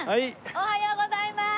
おはようございまーす！